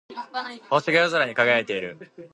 星が夜空に輝いている。